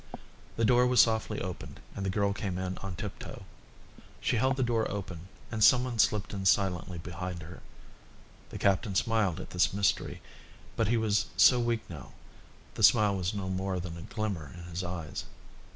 The door was softly opened and the girl came in on tip toe. She held the door open and some one slipped in silently behind her. The captain smiled at this mystery, but he was so weak now, the smile was no more than a glimmer in his eyes.